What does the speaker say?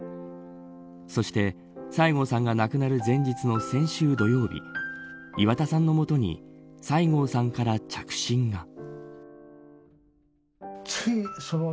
そして、西郷さんが亡くなる前日の先週土曜日岩田さんのもとに西郷さんから着信が。